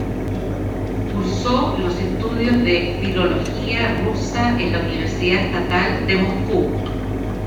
Cursó los estudios de filología rusa en la Universidad Estatal de Moscú.